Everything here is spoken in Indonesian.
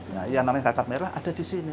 nah yang namanya rata merah ada di sini